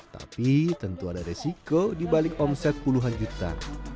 tapi tentu ada resiko dibalik omset puluhan juta